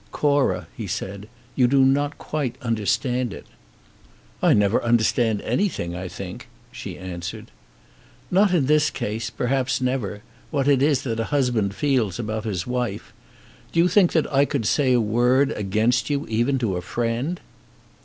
"Cora," he said, "you do not quite understand it." "I never understand anything, I think," she answered. "Not in this case, perhaps never, what it is that a husband feels about his wife. Do you think that I could say a word against you, even to a friend?"